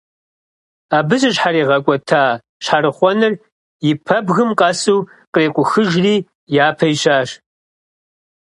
Абы зыщхьэригъэкӀуэта щхьэрыхъуэныр и пэбгым къэсу кърикъухыжри, япэ ищащ.